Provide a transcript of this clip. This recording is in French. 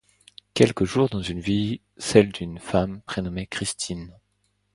Quelques jours dans une vie, celle d'une femme prénommée Christine.